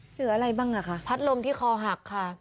เหลืออะไรบ้างอ่ะคะพัดลมที่คอหักค่ะ